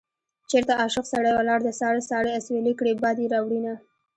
چېرته عاشق سړی ولاړ دی ساړه ساړه اسويلي کړي باد يې راوړينه